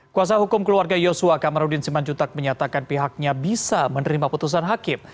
kuasa hukum keluarga yosua kamarudin simanjuntak menyatakan pihaknya bisa menerima putusan hakim